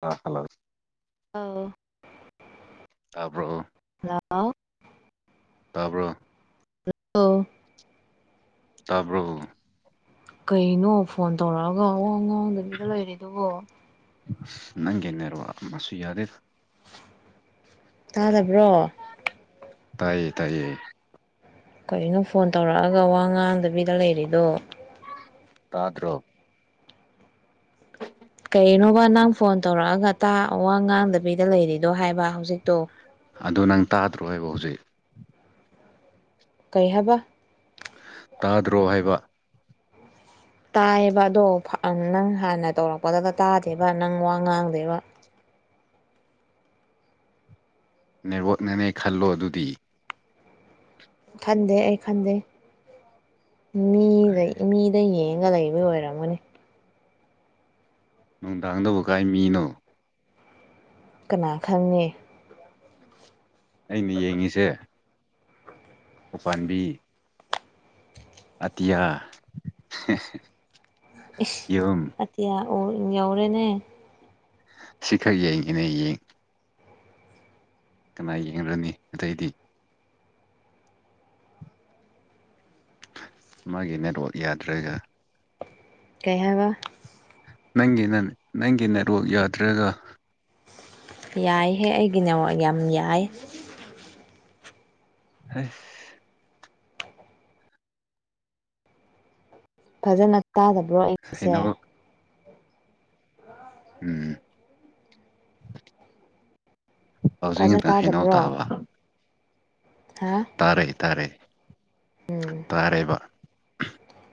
ꯑ ꯍꯜꯂꯣ ꯑꯥꯎ ꯑꯕ꯭ꯔꯣ ꯍꯂꯣ ꯇꯥꯕ꯭ꯔꯣ ꯑꯣ ꯇꯕ꯭ꯔꯣ ꯀꯩꯅꯣ ꯐꯣꯟ ꯇꯧꯔꯛꯑꯒ ꯑꯋꯥ ꯉꯥꯡꯗꯕꯤꯗ ꯂꯩꯔꯦ ꯑꯗꯨꯕꯣ ꯅꯪꯒꯦꯟꯅꯔ ꯋꯥꯃꯁꯨ ꯌꯥꯗꯦ ꯇꯥꯗꯕ꯭ꯔꯣ ꯇꯥꯏꯌꯦ ꯇꯥꯏꯌꯦ ꯀꯔꯤꯒꯤꯅꯣ ꯐꯣꯟ ꯇꯧꯔꯛꯑꯒ ꯋꯥ ꯉꯥꯡꯗꯕꯤꯗ ꯂꯩꯔꯤꯗꯣ ꯇꯥꯗ꯭ꯔꯣ ꯍ ꯀꯩꯅꯣꯕ ꯅꯪ ꯐꯣꯟ ꯇꯧꯔꯛꯑꯒ ꯇꯥ ꯋꯥ ꯉꯥꯡꯗꯕꯤꯗ ꯂꯩꯔꯤꯗꯣ ꯍꯥꯏꯕ ꯍꯧꯖꯤꯛꯇꯣ ꯑꯗꯨ ꯅꯪ ꯇꯥꯗ꯭ꯔꯣꯕ ꯍꯧꯖꯤꯛ ꯀꯩ ꯍꯥꯏꯕ ꯇꯥꯗ꯭ꯔꯣ ꯍꯥꯏꯕ ꯇꯥꯏꯌꯦꯕ ꯑꯗꯣ ꯅꯪ ꯍꯥꯟꯅ ꯇꯧꯔꯛꯄꯗꯒ ꯇꯥꯗꯦꯕ ꯅꯪ ꯋꯥ ꯉꯥꯡꯗꯦꯕ ꯅꯦꯋꯣꯛꯅꯅꯦ ꯈꯜꯂꯣ ꯑꯗꯨꯗꯤ ꯈꯟꯗꯦ ꯑꯩ ꯈꯟꯗꯦ ꯃꯤꯗ ꯃꯤꯗ ꯌꯦꯡꯉ ꯂꯩꯕ ꯑꯣꯏꯔꯝꯃꯅꯦ ꯅꯨꯡꯗꯥꯡꯗꯕꯨ ꯀꯥꯏ ꯃꯤꯅꯣ ꯀꯅꯥ ꯈꯪꯉꯦ ꯑꯩꯅ ꯌꯦꯡꯉꯤꯁꯦ ꯎꯄꯥꯝꯕꯤ ꯑꯇꯌꯥ ꯑꯇꯤꯌꯥ ꯌꯧꯔꯦꯅꯦ ꯁꯤꯈꯔ ꯌꯦꯏ ꯏꯅꯦꯌꯦꯡ ꯀꯃꯥꯏꯅ ꯌꯦꯡ꯭ꯔꯅꯤ ꯑꯇꯩꯗꯤ ꯃꯥꯒꯤ ꯅꯦꯠꯋꯥꯛ ꯌꯥꯗ꯭ꯔꯒ ꯀꯩꯕ ꯅꯪꯒꯤ ꯅꯪꯒꯤ ꯅꯦꯠꯔꯣꯛ ꯌꯥꯗ꯭ꯔꯒ ꯌꯥꯏꯍꯦ ꯑꯩꯒꯤꯅꯦ ꯌꯥꯝ ꯌꯥꯏ ꯍ ꯐꯖꯅ ꯇꯥꯗꯕ꯭ꯔꯣ ꯑꯩꯒꯤꯁꯦ ꯍꯩꯅꯧ ꯎꯝ ꯄꯥꯎꯖꯤ ꯐꯖꯅ ꯇꯪ ꯍꯩꯅꯧ ꯇꯥꯗꯕ꯭ꯔꯣ ꯇꯥꯕ ꯍꯥ ꯇꯥꯔꯦ ꯇꯥꯔꯦ ꯇꯥꯔꯦꯕ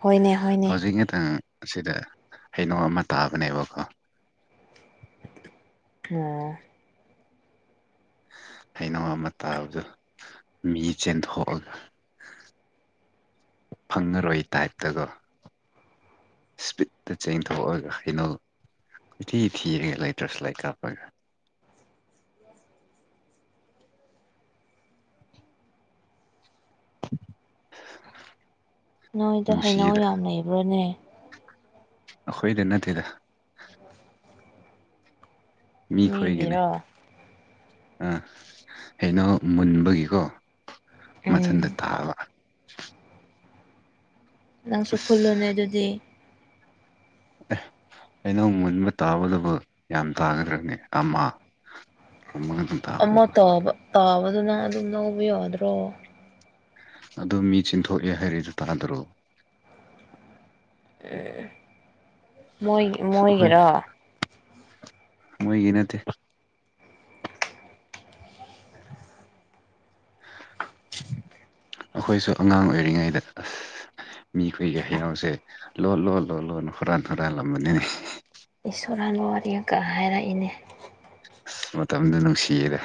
ꯍꯣꯏꯅꯦ ꯍꯣꯏꯅꯦ ꯍꯧꯖꯤꯛ ꯉꯥꯛꯇꯪ ꯑꯁꯤꯗ ꯍꯩꯅꯣ ꯑꯃ ꯇꯥꯕꯅꯦꯕꯀꯣ ꯑꯥ ꯍꯩꯅ ꯑꯃ ꯇꯥꯕꯗ ꯃꯤ ꯆꯦꯟꯊꯣꯛꯑꯒ ꯐꯪꯉꯔꯣꯏ ꯇꯥꯏꯞꯇꯗꯣ ꯏꯁꯄꯤꯠꯇ ꯆꯦꯡꯊꯣꯛꯑꯒ ꯍꯩꯅꯣꯜ ꯤ ꯊꯤꯉ ꯂꯩ ꯇ꯭ꯔꯁꯨ ꯂꯩꯥꯏ ꯀꯥꯞꯄꯒ ꯅꯣꯏꯗ ꯍꯩꯅꯧ ꯅꯨꯡꯁꯤꯗ ꯌꯥꯝ ꯂꯩꯕ꯭ꯔꯣꯅꯦ ꯈꯣꯏꯗ ꯅꯠꯇꯦꯗ ꯃꯤꯈꯣꯏꯒꯤꯅꯦ ꯃꯤꯒꯤꯔꯣ ꯑꯥ ꯀꯩꯅꯣ ꯃꯨꯟꯕꯒꯤꯀꯣ ꯃꯊꯟꯇ ꯎꯝ ꯇꯥꯕ [unintelligible] ꯅꯪꯁꯨ ꯈꯨꯜꯂꯨꯅꯦ ꯑꯗꯨꯗꯤ ꯑ ꯑꯩꯅꯧ ꯃꯨꯟꯕ ꯇꯥꯕꯗꯕꯨ ꯌꯥꯝ ꯇꯥꯈꯗ꯭ꯔꯕꯅꯤ ꯑꯃ ꯒꯨꯝꯕ ꯉꯥꯛꯇꯪ ꯑꯃ ꯇꯥꯕꯗꯕꯨ ꯇꯕ ꯇꯥꯕꯗꯨꯅ ꯑꯗꯨꯝ ꯂꯧꯕ ꯌꯥꯗ꯭ꯔꯣ ꯑꯗꯨ ꯃꯤ ꯆꯤꯟꯊꯣꯛꯑꯦ ꯍꯥꯏꯔꯤꯗꯨ ꯇꯥꯗꯔꯛꯑꯣ ꯃ ꯑꯩꯈꯣꯏ ꯃꯣꯏꯒꯦꯔ ꯃꯣꯏꯒꯤ ꯅꯠꯇꯦ [inaudible] ꯑꯩꯈꯣꯏꯁꯨ ꯑꯉꯥꯡ ꯑꯣꯏꯔꯤꯉꯩꯗ ꯃꯤꯈꯣꯏꯒꯤ ꯍꯌꯥꯥꯎꯁꯦ ꯂꯣ ꯂꯣ ꯂꯣ ꯂꯣꯅ ꯍꯨꯔꯥꯟ ꯍꯨꯔꯜꯂꯝꯕꯅꯤꯅꯦ ꯑꯔꯥꯟꯕ ꯋꯥꯔꯤ ꯑꯃꯀꯛ ꯍꯥꯏꯔꯛꯏꯅꯦ ꯑ ꯃꯇꯝꯗꯨ ꯅꯨꯡꯁꯤꯔꯦ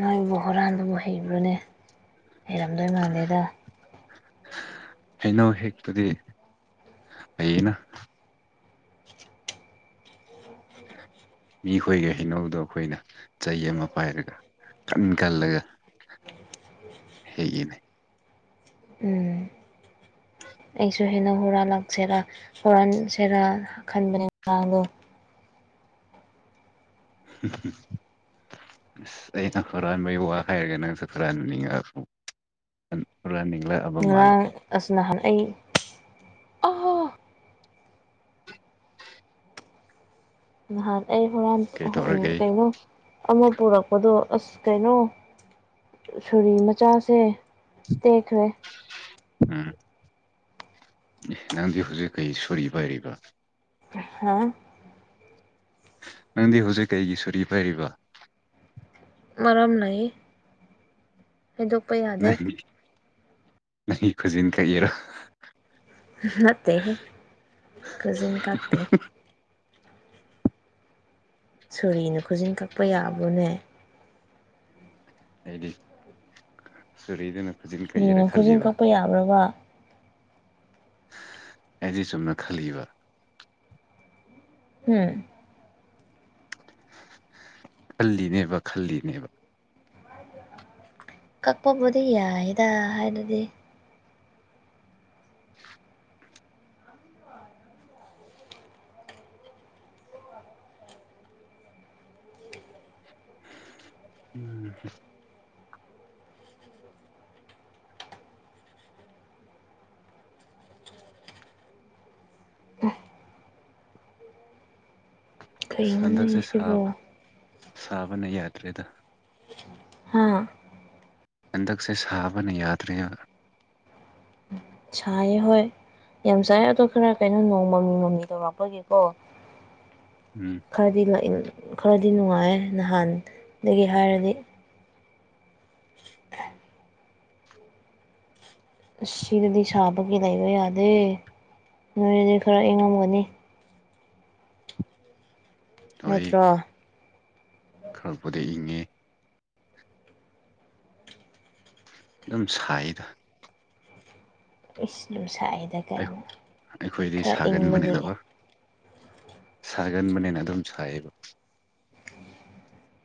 ꯅꯣꯏꯕꯨ ꯍꯨꯔꯥꯟꯗꯨꯕꯨ ꯍꯩꯕ꯭ꯔꯨꯅꯦ ꯍꯩꯔꯝꯗꯣꯏ ꯃꯥꯟꯂꯦꯗ ꯍꯩꯅꯧ ꯍꯦꯛꯇꯨꯗꯤ ꯑꯩꯅ ꯃꯤꯈꯣꯏꯒꯤ ꯍꯩꯅꯧꯗꯣ ꯑꯩꯈꯣꯏꯅ ꯆꯩ ꯑꯃ ꯄꯥꯏꯔꯒ ꯀꯂꯒ ꯍꯒꯤꯅꯦ ꯎꯝ ꯑꯩꯁꯨ ꯍꯦꯟꯅ ꯍꯨꯔꯥꯟ ꯂꯥꯛꯁꯦꯔ ꯍꯨꯔꯥꯟꯁꯦꯔ ꯈꯟꯕꯅꯦ ꯉꯔꯥꯡꯗꯣ ꯎꯝ ꯑ ꯑꯩꯅ ꯍꯨꯔꯥꯟꯕꯩ ꯋꯥ ꯍꯥꯏꯔꯒꯦ ꯅꯪꯁꯨ ꯍꯨꯔꯥꯟꯕꯅꯤꯡꯉ ꯉꯔꯥꯡ ꯑꯁꯤ ꯅꯍꯥꯟ ꯑꯩ ꯑ ꯍ ꯀꯩ ꯊ ꯍꯔ ꯀꯩ ꯑꯃ ꯄꯨꯔꯛꯄꯗꯣ ꯑꯁ ꯀꯩꯅꯣ ꯁꯣꯔꯤ ꯃꯆꯥꯁꯦ ꯗꯈꯔꯦ ꯎꯝ ꯅꯪꯗꯤ ꯍꯧꯨꯁꯨꯈꯩ ꯁꯔꯤꯕꯔꯕ ꯍꯥ ꯅꯪꯗꯤ ꯍꯧꯖꯤꯛ ꯀꯩꯒꯤ ꯁꯨꯔꯤ ꯄꯥꯏꯔꯤꯕ ꯃꯔꯝ ꯂꯩ ꯍꯥꯏꯩꯗꯣꯛꯄ ꯌꯥꯗꯦ ꯅꯪ ꯈꯨꯖꯤꯅ ꯀꯩ ꯌꯦꯔꯣ ꯅꯇ ꯀꯖꯤꯤꯡ ꯀꯥꯔꯇ ꯁꯣꯔꯤꯅ ꯈꯨꯖꯤꯟ ꯀꯛꯄ ꯌꯥꯕ꯭ꯔꯣꯅꯦ ꯍꯥꯏꯗꯤ ꯁꯔꯤ ꯏ ꯅ ꯁꯨꯔꯤꯅ ꯈꯨꯖꯤꯟ ꯀꯛꯄ ꯌꯥꯕ꯭ꯔꯕ ꯑꯦꯗꯤ ꯆꯨꯝꯅ ꯈꯜꯂꯤꯕ ꯎꯝ ꯈꯜꯂꯤꯅꯦꯕ ꯈꯜꯂꯤꯅꯦꯕ ꯀꯛꯄꯕꯨꯗꯤ ꯌꯥꯏꯗ ꯍꯥꯏꯅꯗꯤ ꯎꯝ ꯍꯟꯗꯛꯁꯦ ꯀꯩꯅꯣꯅꯦ ꯁꯤꯕꯣ ꯁꯥꯕ ꯁꯥꯕꯅ ꯌꯥꯗ꯭ꯔꯦꯗ ꯍꯥꯥ ꯍꯟꯗꯛꯁꯦ ꯁꯥꯕꯅ ꯌꯥꯗ꯭ꯔꯦ ꯁꯥꯏ ꯍꯣꯏ ꯌꯥꯝ ꯆꯥꯏ ꯑꯗꯣ ꯈꯔ ꯀꯩꯅꯣ ꯅꯣꯡꯃꯃꯤ ꯃꯃꯤ ꯇꯧꯔꯛꯄꯒꯤꯀꯣ ꯎꯝ ꯈꯔꯗꯤ ꯂꯏ ꯈꯔꯗꯤ ꯅꯨꯡꯉꯥꯏ ꯅꯍꯥꯟꯗꯒꯤ ꯍꯥꯏꯔꯗꯤ [inaudible] ꯁꯤꯔꯗꯤ ꯁꯥ ꯑꯗꯨꯒꯤ ꯂꯩꯕ ꯌꯥꯗꯦ ꯅꯣꯏ ꯑꯗꯨ ꯈꯔ ꯏꯪꯉꯝꯒꯅꯤ ꯅꯠꯇ꯭ꯔꯣ ꯈꯔꯛꯄꯗ ꯏꯪꯉꯦ ꯑꯗꯨꯝ ꯁꯥꯏꯗ ꯏꯁꯂꯨ ꯁꯥꯏꯗ ꯀꯩꯅꯣ ꯈꯔ ꯏꯪꯕꯒꯤ ꯁꯥꯒꯟꯕꯅꯦꯅ ꯑꯗꯨꯝ ꯁꯥꯏꯌꯦꯕ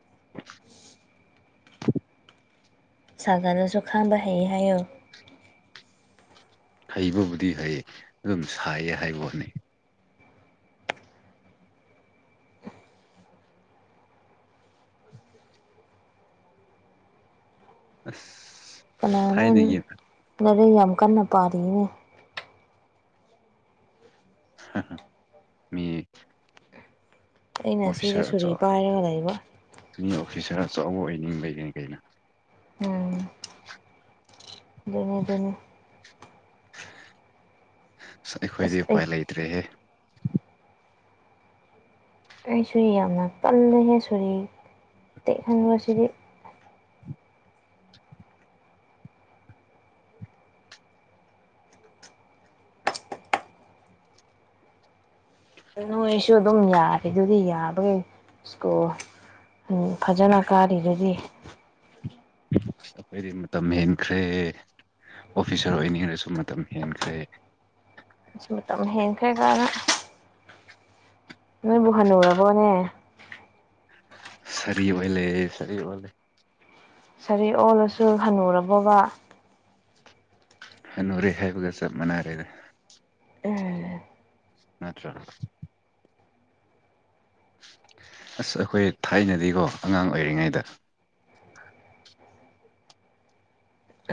[inaudible] ꯁꯒꯔꯁꯨ ꯈꯥꯡꯕ ꯍꯩ ꯍꯥꯏꯌꯣ ꯍꯩꯕꯕꯨꯗꯤ ꯍꯩ ꯑꯗꯨꯝ ꯁꯥꯏꯌꯦ ꯍꯥꯏꯕ ꯋꯥꯠꯅꯤ ꯑ ꯀꯅꯥꯅ ꯂꯔꯦ ꯑꯃ ꯀꯅ ꯄꯥꯔꯤꯅꯦ ꯃꯤ ꯑꯩꯅ ꯁꯤꯗ ꯑꯣꯐꯤꯁꯥꯔ ꯑꯆ ꯁꯨꯔꯤ ꯄꯥꯏꯔꯒ ꯂꯩꯕ ꯁꯤꯅꯤ ꯑꯣꯐꯤꯁꯥꯔ ꯑꯆꯧꯕ ꯑꯣꯏꯅꯤꯡꯕꯔꯤ ꯀꯩꯅꯣ ꯎꯝ [inaudible] ꯗꯨꯅꯦ ꯗꯨꯅꯦ ꯑ ꯑꯁ ꯑꯩꯈꯣꯏꯗꯤ ꯑꯩ ꯎꯄꯥꯏ ꯂꯩꯇ꯭ꯔꯦꯍꯦ ꯑꯩꯁꯨ ꯌꯥꯝꯅ ꯄꯜꯂꯍꯦ ꯁꯣꯔꯤ ꯇꯦꯛ ꯈꯟꯕꯁꯤꯗꯤ ꯅꯣꯏꯁꯨ ꯑꯗꯨꯝ ꯌꯥꯔꯦ ꯑꯗꯨꯗꯤ ꯌꯥꯕꯒꯤ ꯏꯁꯀꯣꯔ ꯐꯖꯅ ꯀꯥꯔꯤꯗꯨꯗꯤ ꯑꯩꯈꯣꯏꯗꯤ ꯃꯇꯝ ꯍꯦꯟꯈ꯭ꯔꯦ ꯑꯣꯐꯤꯁꯥꯔ ꯑꯣꯏꯅꯤꯡꯉꯔꯁꯨ ꯃꯇꯝ ꯍꯦꯟꯈ꯭ꯔꯦ ꯁꯤ ꯃꯇꯝ ꯍꯦꯟꯈ꯭ꯔꯦ ꯀꯅ ꯅꯣꯏꯕꯨ ꯍꯅꯨꯔꯕꯣꯅꯦ ꯁꯔꯤ ꯑꯣꯏ ꯂꯩꯔꯦ ꯁꯔꯤ ꯑꯣꯏ ꯂꯩꯔꯦ ꯁꯔ ꯑꯣꯜꯂꯁꯨ ꯍꯟꯅꯨꯔꯕꯣꯕꯥ ꯅꯨꯔꯦ ꯍꯥꯏꯕꯒ ꯆꯞ ꯃꯥꯟꯅꯔꯦꯗ ꯎꯝ ꯅꯠꯇ꯭ꯔ ꯑꯁ ꯑꯩꯈꯣꯏ ꯊꯥꯏꯅꯗꯤꯀꯣ ꯑꯉꯥꯡ ꯑꯣꯏꯔꯤꯉꯩꯗ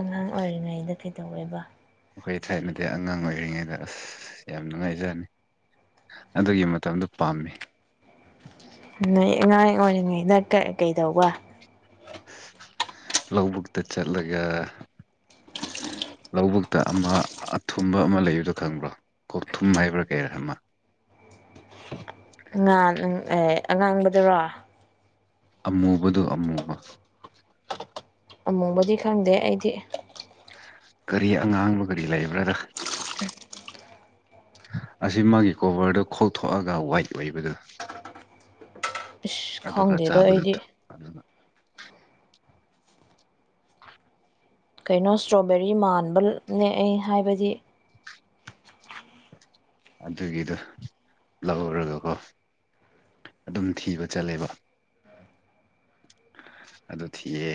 ꯑꯉꯥꯡ ꯑꯣꯏꯔꯤꯉꯩꯗ ꯀꯩꯗꯧꯋꯦꯕ ꯑꯩ ꯊꯥꯏꯅꯗꯤ ꯑꯉꯥꯡ ꯑꯣꯏꯔꯤꯉꯩꯗ ꯑꯁ ꯌꯥꯝ ꯅꯨꯡꯉꯥꯏꯖꯅꯤ ꯑꯗꯨꯒꯤ ꯃꯇꯝꯗꯨ ꯄꯥꯝꯃꯤ ꯅꯣꯏ ꯑꯉꯥꯡ ꯑꯣꯏꯔꯤꯉꯩꯗ ꯀꯩꯗꯧꯕ ꯂꯧꯕꯨꯛ ꯇ ꯆꯠꯂꯒ ꯂꯧꯕꯨꯛꯇ ꯑꯃ ꯑꯊꯨꯝꯕ ꯑꯃ ꯂꯩꯕꯗꯣ ꯈꯪꯕ꯭ꯔꯣ ꯀꯣꯛ ꯊꯨꯝ ꯍꯥꯏꯕ꯭ꯔꯥ ꯀꯩꯅꯣꯝꯃ [inaudible] ꯉꯥꯟ ꯑꯦ ꯑꯉꯥꯡꯕꯗꯨꯔꯣ ꯑꯃꯨꯕꯗꯨ ꯑꯃꯨꯕ ꯑꯃꯨꯕꯗꯤ ꯈꯪꯗꯦ ꯑꯩꯗꯤ ꯀꯔꯤ ꯑꯉꯥꯡꯕ ꯀꯔꯤ ꯂꯩꯕ꯭ꯔꯥꯗ ꯑꯁꯤ ꯃꯥꯒꯤ ꯀꯣꯚꯔꯗꯨ ꯈꯣꯛꯊꯣꯛꯑꯒ ꯋꯥꯏꯠ ꯑꯣꯏꯕꯗꯨ ꯏꯁ ꯑꯗꯨꯒ ꯈꯪꯗꯦꯗ ꯆꯥꯕꯗꯨ ꯑꯩꯗꯤ ꯑꯗꯨ ꯀꯩꯅꯣ ꯏꯁꯇ꯭ꯔꯣꯕꯦꯔꯤ ꯃꯥꯟꯕ ꯅꯦꯛ ꯑꯩ ꯍꯥꯏꯕꯗꯤ ꯑꯗꯨꯒꯤꯗꯣ ꯂꯧꯔꯒꯀꯣ ꯑꯗꯨꯝ ꯊꯤꯕ ꯆꯠꯂꯦꯕ ꯑꯗꯨ ꯊꯤꯌꯦ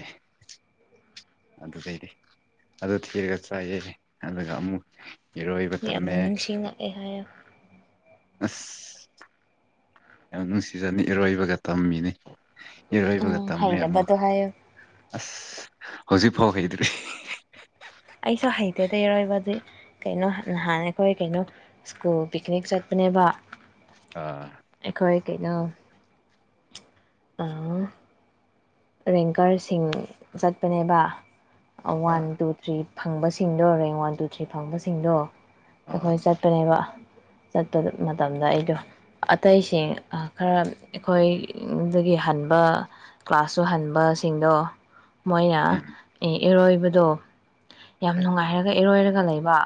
ꯑꯗꯨꯗꯩꯗꯤ ꯑꯗꯨ ꯊꯤꯔꯒ ꯆꯥꯏꯌꯦꯦ ꯑꯗꯨꯒ ꯑꯃꯨꯛ ꯏꯔꯣꯏꯕ ꯌꯥꯝꯅ ꯇꯝꯃꯦ ꯅꯤꯡꯁꯤꯡꯉꯛꯑꯦ ꯍꯥꯏꯌ ꯑꯁ ꯌꯥꯝ ꯅꯨꯡꯁꯤꯖꯅꯤ ꯏꯔꯣꯏꯕꯒ ꯇꯝꯃꯤꯅꯤ ꯏꯔꯣꯏꯕꯒ ꯎꯝ ꯇꯝꯃꯦ ꯑꯃꯨꯛ ꯍꯩꯔꯕꯗꯣ ꯍꯥꯏꯌꯣ ꯑꯁ ꯍꯧꯖꯤꯛꯐꯥꯎ ꯍꯩꯗ꯭ꯔꯤ ꯑꯇꯩꯩꯔꯣꯏꯕꯗꯤ ꯀꯩꯅꯣ ꯅꯍꯥꯟ ꯑꯩꯈꯣꯏ ꯀꯩꯅꯣ ꯁ꯭ꯀꯨꯜ ꯄꯤꯛꯅꯤꯛ ꯆꯠꯄꯅꯦꯕ ꯑ ꯑꯩꯈꯣꯏ ꯀꯩꯅꯣ ꯑꯥ ꯔꯦꯡꯀꯔꯁꯤꯡ ꯆꯠꯄꯅꯦꯕ ꯑꯥ ꯋꯥꯟ ꯇꯨ ꯊ꯭ꯔꯤ ꯐꯪꯕꯁꯤꯡꯗꯣ ꯔꯦꯡ ꯋꯥꯟ ꯇꯨ ꯊ꯭ꯔꯤ ꯐꯪꯕꯁꯤꯡꯗꯣ ꯑꯥ ꯑꯩꯈꯣꯏ ꯆꯠꯄꯅꯦꯕ ꯆꯠꯄ ꯃꯇꯝꯗ ꯑꯩꯗꯣ ꯑꯇꯩꯁꯤꯡ ꯈꯔ ꯑꯩꯈꯣꯏꯒꯤ ꯍꯟꯕ ꯀ꯭ꯂꯥꯁ ꯆꯨꯍꯟꯕꯁꯤꯡꯗꯣ ꯃꯣꯏꯅ ꯎꯝ ꯏꯔꯣꯏꯕꯗꯣ ꯌꯥꯝ ꯍꯣꯏ ꯅꯨꯡꯉꯥꯏꯔꯒ ꯏꯔꯣꯏꯔꯒ ꯂꯩꯕ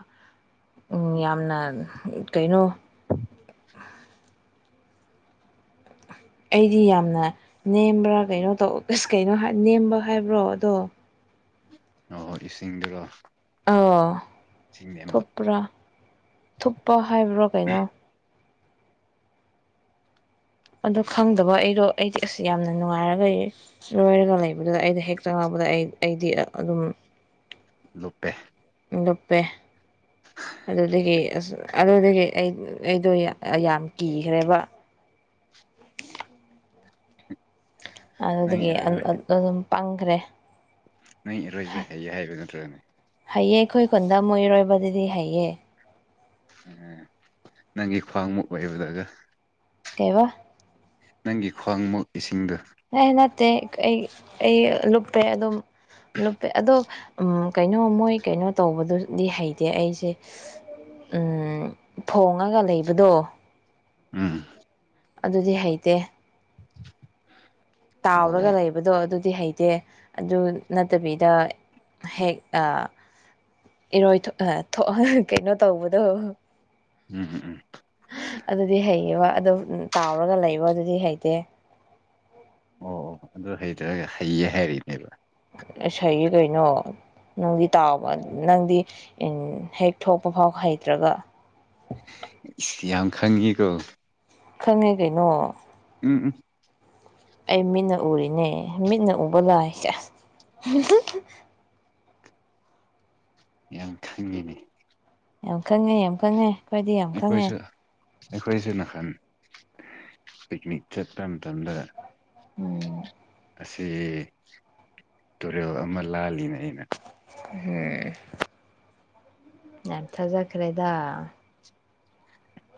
ꯌꯥꯝꯅ ꯀꯩꯅꯣ [inaudible] ꯑꯩꯗꯤ ꯌꯥꯝꯅ ꯅꯦꯝꯕ꯭ꯔꯥ ꯀꯩꯅꯣ ꯇꯧꯁ ꯀꯩꯅꯣ ꯅꯦꯝꯕ ꯍꯥꯏꯕ꯭ꯔꯣ ꯑꯗꯣ ꯑꯣꯏ ꯏꯁꯤꯡꯗꯨꯔꯣ ꯑꯥ ꯏꯁꯤꯡ ꯅꯦꯝꯕ ꯊꯨꯞꯄ꯭ꯔꯥ ꯊꯨꯞꯄ ꯍꯥꯏꯕ꯭ꯔꯥ ꯀꯩꯅꯣ ꯑꯗꯣ ꯈꯪꯗꯕ ꯑꯩꯗꯣ ꯑꯩꯗꯤ ꯑꯁ ꯌꯥꯝꯅ ꯅꯨꯡꯉꯥꯏꯔꯒ ꯂꯣꯏꯔꯒ ꯂꯩꯕꯗꯨꯗ ꯑꯩꯗ ꯍꯦꯛꯇ ꯑꯩ ꯑꯩꯗꯤ ꯑꯗꯨꯝ ꯂꯨꯞꯄꯦ ꯂꯄꯦ ꯑꯗꯨꯗꯒꯤ ꯑꯁ ꯑꯗꯨꯗꯒꯤ ꯑꯩ ꯑꯩꯗꯣ ꯌꯥꯝ ꯀꯤꯈ꯭ꯔꯦꯕ ꯅꯪ ꯑꯗꯨꯗꯒꯤ ꯏꯔꯣꯏꯕ ꯑꯗꯨꯝ ꯄꯪꯈ꯭ꯔꯦ ꯅꯪ ꯏꯔꯣꯏꯕ ꯍꯩꯌꯦ ꯍꯥꯏꯕ ꯅꯠꯇ꯭ꯔꯒꯅꯦ ꯍꯩꯌꯦ ꯑꯩꯈꯣꯏ ꯈꯨꯟꯗ ꯃꯣꯏ ꯏꯔꯣꯏꯕꯗꯨꯗꯤ ꯍꯩꯌꯦ ꯎꯝ ꯅꯪꯒꯤ ꯈ꯭ꯋꯥꯡꯃꯨꯛ ꯑꯣꯏꯕꯗꯒ ꯀꯕꯥ ꯅꯪꯒꯤ ꯈ꯭ꯋꯥꯡ ꯃꯣꯛ ꯏꯁꯤꯡꯗꯣ ꯑꯦ ꯅꯠꯇꯦ ꯑꯩ ꯑꯩ ꯂꯨꯞꯄꯦ ꯑꯗꯨꯝ ꯂꯨꯞꯄ ꯑꯗꯣ ꯎ ꯀꯩꯅꯣ ꯃꯣꯏ ꯀꯩꯅꯣ ꯇꯧꯕꯗꯨꯗꯤ ꯍꯩꯇꯦ ꯑꯩꯁꯦ ꯎꯝ ꯊꯣꯡꯉꯒ ꯂꯩꯕꯗꯣ ꯑꯝ ꯑꯗꯨꯗꯤ ꯍꯩꯇꯦ ꯇꯥꯎꯔꯒ ꯑꯣ ꯂꯩꯕꯗꯣ ꯑꯗꯨ ꯗꯤ ꯍꯩꯇꯦ ꯑꯗꯨ ꯅꯠꯇꯕꯤꯗ ꯍꯦꯛ ꯏꯔꯣꯏ ꯑ ꯊꯣꯛ ꯀꯩꯅꯣ ꯇꯧꯕꯗꯣ ꯎꯝ ꯎꯝ ꯎꯝ ꯑꯗꯨꯗꯤ ꯍꯩꯌꯦꯕ ꯑꯗꯨꯝ ꯇꯥꯎꯔꯒ ꯂꯩꯕ ꯑꯗꯨꯗꯤ ꯍꯩꯇꯦ ꯑꯣ ꯑꯣ ꯑꯗꯨ ꯍꯩꯇ꯭ꯔꯒ ꯍꯩꯌꯦ ꯍꯥꯏꯔꯤꯏꯅꯦꯕ ꯁꯌꯦ ꯀꯩꯅꯣ ꯅꯪꯗꯤ ꯇꯥꯎꯕ ꯅꯪꯗꯤ ꯎ ꯍꯦꯛ ꯊꯣꯛꯄ ꯐꯥꯎ ꯍꯩꯇ꯭ꯔꯒ ꯌꯥꯝ ꯈꯪꯉꯀꯣ ꯈꯪꯉꯦ ꯀꯩꯅꯣ ꯎ ꯑꯩ ꯃꯤꯠꯅ ꯎꯔꯤꯅꯦ ꯃꯤꯠꯅ ꯎꯕ ꯂꯥꯛꯑꯁꯦ ꯌꯥꯝ ꯈꯪꯒꯅꯦꯅꯤ ꯌꯥꯝ ꯈꯪꯉꯦ ꯌꯥꯝ ꯈꯪꯉꯦ ꯑꯩꯈꯣꯏꯗꯤ ꯌꯥꯝ ꯈꯪꯉꯦ ꯑꯩꯈꯣꯏꯁꯨ ꯑꯩꯈꯣꯏꯁꯨ ꯍꯟ ꯄꯤꯛꯅꯤꯛ ꯆꯠꯄ ꯃꯇꯝꯗ ꯎꯝ ꯑꯁꯤ ꯇꯨꯔꯦꯜ ꯑꯃ ꯂꯥꯜꯂꯤꯅꯦ ꯑꯩꯅ ꯎꯝ ꯌꯥꯝ ꯊꯥꯖꯈ꯭ꯔꯦꯗ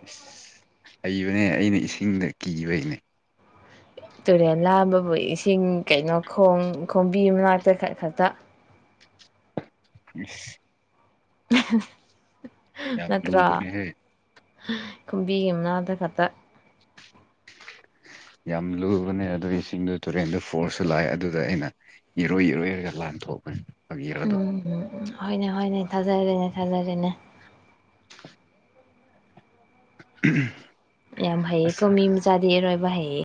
ꯏꯁꯁ ꯍꯩꯕꯅꯦ ꯑꯩꯅ ꯏꯁꯤꯡꯗ ꯀꯤꯕ ꯍꯅꯦ ꯇꯨꯔꯦꯟ ꯂꯥꯝꯕꯕꯨ ꯏꯁꯤꯡ ꯀꯩꯅꯣ ꯈꯣꯡ ꯈꯣꯕꯤ ꯑꯃ ꯃꯅꯥꯛꯇ ꯈ ꯈꯛꯇ ꯑ [inaudible] ꯌꯥꯝ ꯂꯨꯕꯅꯤ ꯍꯥꯏꯌꯦ ꯀꯨꯝꯕꯤꯒꯤ ꯃꯅꯥꯛꯇ ꯈꯛꯇ ꯎ ꯌꯥꯝ ꯂꯨꯕꯅꯦ ꯑꯗꯨ ꯏꯁꯤꯡꯗꯨ ꯇꯨꯔꯦꯟꯗ ꯐꯣꯔꯁꯨ ꯂꯥꯛꯑꯦ ꯑꯗꯨꯗ ꯑꯩꯅ ꯏꯔꯣꯏ ꯏꯔꯣꯏꯔꯒ ꯂꯥꯟꯊꯣꯛꯄꯅꯦ ꯐꯥꯒꯤꯔꯣ ꯑꯗꯣ ꯎꯝꯝ ꯍꯣꯏꯅꯦ ꯍꯣꯏꯅꯦ ꯊꯥꯖꯔꯦꯅꯦ ꯊꯥꯖꯔꯦꯅꯦ ꯎ ꯌꯥꯝ ꯍꯩꯌꯦ ꯀꯃꯤ ꯑꯃ ꯆꯥꯗꯔꯣꯏꯕ ꯍꯩ